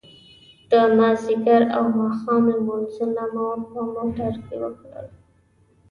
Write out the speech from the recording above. د ماذيګر او ماښام لمونځونه مو په موټر کې وکړل.